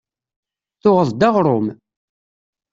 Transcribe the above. Tuɣeḍ-d aɣrum?